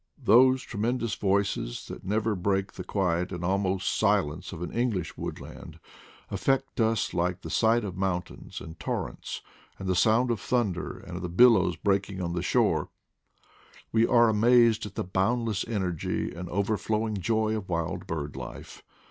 Those tremendous voices, that never break the quiet and almost silence of an English woodland, affect us like the sight of mountains, and torrents, and the sound of thunder and of billows breaking on the shore; we are amazed at the boundless energy and overflowing joy of wild bird life.